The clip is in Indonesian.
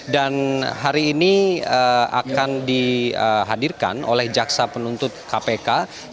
dan hari ini akan dihadirkan oleh jaksa penuntut kpk